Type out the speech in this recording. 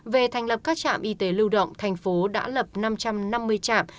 về thành lập các trạm y tế lưu động tp hcm đã lập năm trăm năm mươi trạm